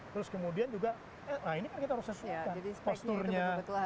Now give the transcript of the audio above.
terus kemudian juga eh ini kan kita harus sesuai posturnya